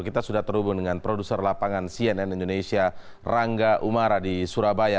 kita sudah terhubung dengan produser lapangan cnn indonesia rangga umara di surabaya